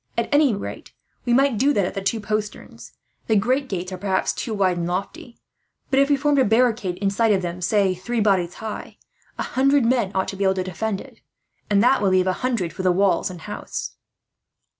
At any rate, we might do that at the two posterns. The great gates are, perhaps, too wide and lofty; but if we formed a barricade inside them of, say, three bodies high, a hundred men ought to be able to defend it; and that will leave a hundred for the walls and house."